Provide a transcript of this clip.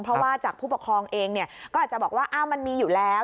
เพราะว่าจากผู้ปกครองเองก็อาจจะบอกว่ามันมีอยู่แล้ว